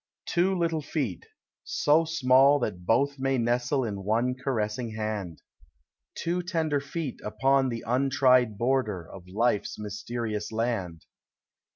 Two little feet, so small that both may nestle In one caressing hand, — Two tender feet upon the untried border Of life's mysterious land.